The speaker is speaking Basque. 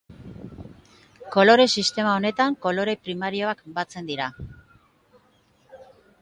Kolore sistema honetan kolore primarioak batzen dira.